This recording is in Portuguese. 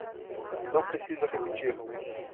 Não precisa repetir